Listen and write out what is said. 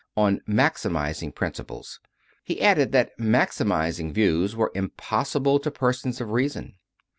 on "maximizing" principles: he added that "maximizing " views were impossible to persons of reason.